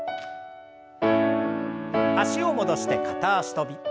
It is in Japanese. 脚を戻して片脚跳び。